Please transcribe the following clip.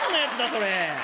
それ